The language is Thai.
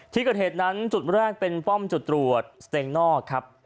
ที่เกิดเหตุนั้นจุดแรกเป็นป้อมจุดตรวจสเตงนอกครับ